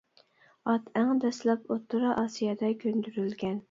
ئات ئەڭ دەسلەپ ئوتتۇرا ئاسىيادا كۆندۈرۈلگەن.